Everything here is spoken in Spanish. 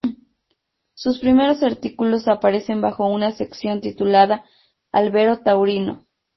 Sus primeros artículos aparecen bajo una sección titulada "Albero Taurino".